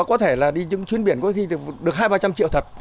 có thể là đi những chuyến biển có khi được hai trăm linh ba trăm linh triệu thật